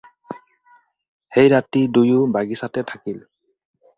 সেই ৰাতি দুয়ো বাগিচাতে থাকিল।